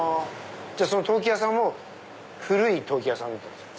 その陶器屋さんも古い陶器屋さんだったんですか？